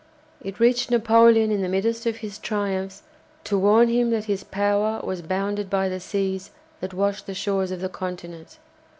It reached Napoleon in the midst of his triumphs, to warn him that his power was bounded by the seas that washed the shores of the Continent.